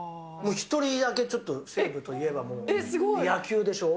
１人だけちょっと、西武といえば、野球でしょ。